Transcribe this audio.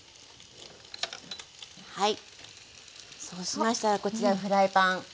そうしましたらこちらフライパン。